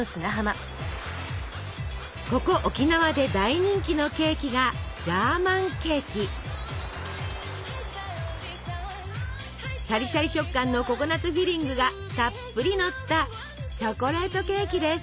ここ沖縄で大人気のケーキがシャリシャリ食感のココナツフィリングがたっぷりのったチョコレートケーキです。